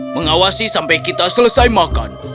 mengawasi sampai kita selesai makan